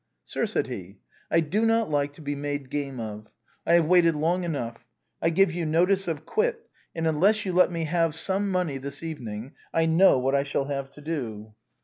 " Sir," said he, " I do not like to be made game of. I have waited long enough. I give you notice to quit, and unless you let me have some money this evening, I know what I shall have to do."